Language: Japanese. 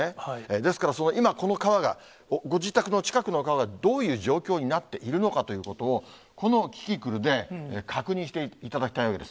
ですからその今、この川がご自宅の近くの川がどういう状況になっているのかということを、このキキクルで確認していただきたいわけです。